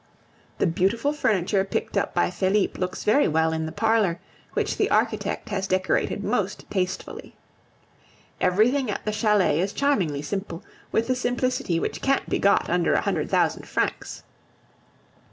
The beautiful furniture picked up by Felipe looks very well in the parlor, which the architect has decorated most tastefully. Everything at the chalet is charmingly simple, with the simplicity which can't be got under a hundred thousand francs.